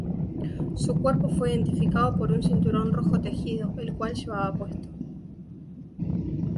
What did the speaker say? Su cuerpo fue identificado por un cinturón rojo tejido, el cual llevaba puesto.